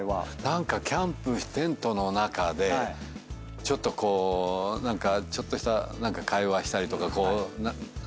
何かキャンプテントの中でちょっとこうちょっとした会話したりとか何かあの。